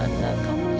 tak ada cakaplersan